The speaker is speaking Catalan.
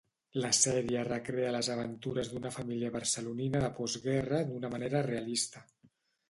La sèrie recrea les aventures d'una família barcelonina de postguerra d'una manera realista.